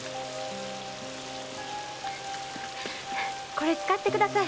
これ使ってください。